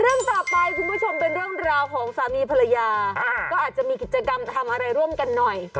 เรื่องต่อไปคุณผู้ชมเป็นเรื่องราวของสามีภรรยาก็อาจจะมีกิจกรรมทำอะไรร่วมกันหน่อย